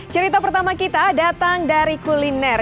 cerita pertama kita datang dari kuliner